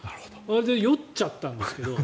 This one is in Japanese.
酔っちゃったんですけど。